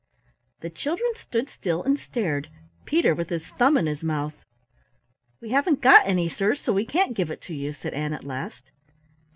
The children stood still and stared, Peter with his thumb in his mouth. "We haven't got any, sir, so we can't give it to you," said Ann at last.